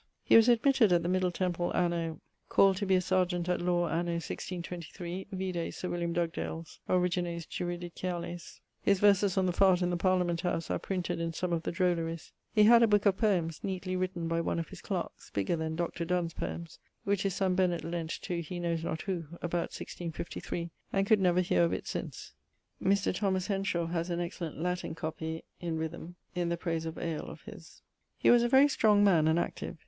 He was admitted at the Middle Temple anno ...; called to be a serjeant at lawe anno <1623> (vide Origines Juridiciales). His verses on the fart in the Parliament house are printed in some of the Drolleries. He had a booke of poemes, neatly written by one of his clerkes, bigger then Dr. Donne's poemes, which his sonn Benet lent to he knowes not who, about 1653, and could never heare of it since. Mr. Thomas Henshawe haz an excellent Latin copie in rhythme in the prayse of ale of his. He was a very strong man and active.